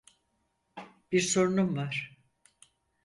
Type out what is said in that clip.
Bir sorunum var.